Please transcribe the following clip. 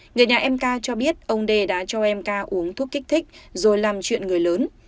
người nhà em k cho biết ông d đã cho em k uống thuốc kích thích rồi làm chuyện người lớn